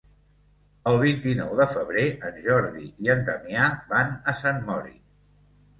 El vint-i-nou de febrer en Jordi i en Damià van a Sant Mori.